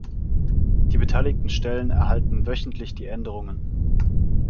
Die beteiligten Stellen erhalten wöchentlich die Änderungen.